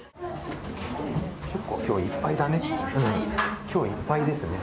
結構今日いっぱいだね。